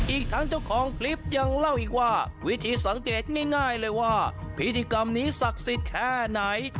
อีกทั้งเจ้าของคลิปยังเล่าอีกว่าวิธีสังเกตง่ายเลยว่าพิธีกรรมนี้ศักดิ์สิทธิ์แค่ไหน